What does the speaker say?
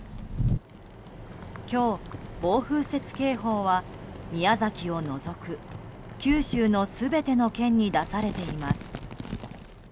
今日、暴風雪警報は宮崎を除く九州の全ての県に出されています。